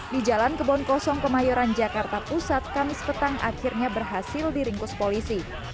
di jalan kebon kosong kemayoran jakarta pusat kamis petang akhirnya berhasil diringkus polisi